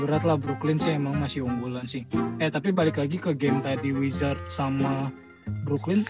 beratlah brooklyn cma masih unggulan sih eh tapi balik lagi ke game tadi wizard sama brooklyn